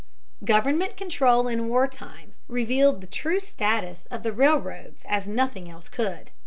Government control in war time revealed the true status of the railroads as nothing else could.